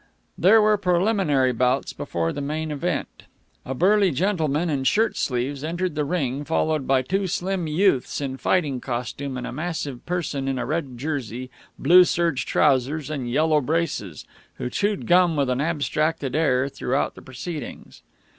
There were preliminary bouts before the main event. A burly gentleman in shirt sleeves entered the ring, followed by two slim youths in fighting costume and a massive person in a red jersey, blue serge trousers, and yellow braces, who chewed gum with an abstracted air throughout the proceedings.